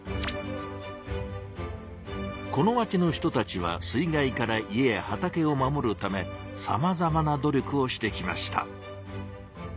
この町の人たちは水害から家や畑を守るためさまざまな努力をしてきました。